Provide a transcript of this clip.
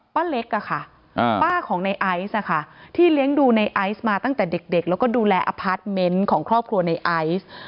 ป้าเล็กป้าของในไอซ์ที่เลี้ยงดูในไอซ์มาตั้งแต่เด็กแล้วก็ดูแลอพาร์ทเมนต์ของครอบครัวในไอซ์